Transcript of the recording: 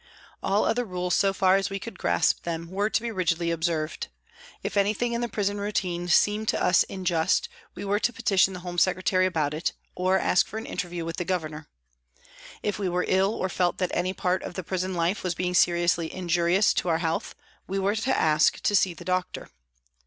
All other rules so far as we could grasp them were to be rigidly observed. If anything in the prison routine seemed to us unjust we were to petition the Home Secretary about it, or ask for an interview with the Governor. If we were ill or felt that any part of the prison life was being seriously injurious to our health, we were to ask to see the doctor.